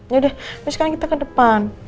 yaudah tapi sekarang kita ke depan